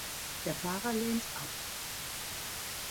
Der Fahrer lehnt ab.